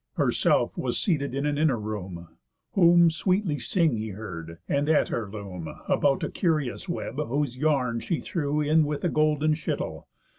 Herself was seated in an inner room, Whom sweetly sing he heard, and at her loom, About a curious web, whose yarn she threw In with a golden shittle.